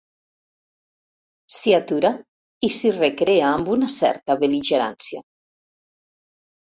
S'hi atura i s'hi recrea amb una certa bel·ligerància.